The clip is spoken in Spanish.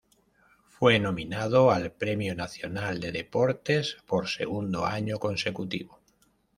Fue nominado al premio Nacional de Deportes por segundo año consecutivo.